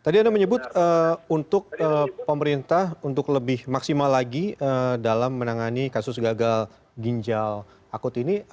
tadi anda menyebut untuk pemerintah untuk lebih maksimal lagi dalam menangani kasus gagal ginjal akut ini